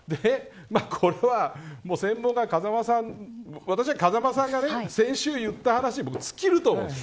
これは専門家私は風間さんが先週言った話に尽きると思うんです。